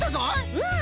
うん！